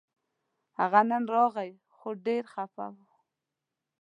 هغه نن راغی خو ډېر خپه و